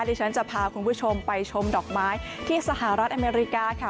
ที่ฉันจะพาคุณผู้ชมไปชมดอกไม้ที่สหรัฐอเมริกาค่ะ